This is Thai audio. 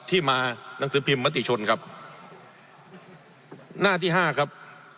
ที่มาหนังสือพิมพ์มติชนครับหน้าที่ห้าครับ